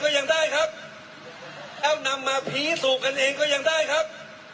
ก็ยังได้ครับ